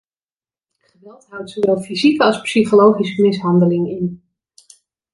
Geweld houdt zowel fysieke als psychologische mishandeling in.